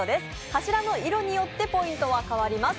柱の色によってポイントは変わります。